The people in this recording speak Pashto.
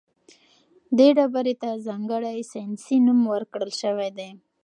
دې ډبرې ته ځانګړی ساینسي نوم ورکړل شوی دی.